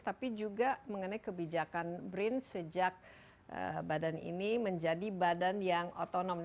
tapi juga mengenai kebijakan brin sejak badan ini menjadi badan yang otonom